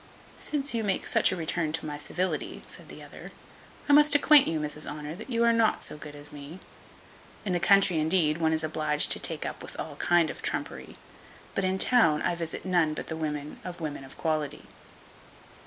"Since you make such a return to my civility," said the other, "I must acquaint you, Mrs Honour, that you are not so good as me. In the country, indeed, one is obliged to take up with all kind of trumpery; but in town I visit none but the women of women of quality.